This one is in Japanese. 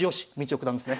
九段ですね。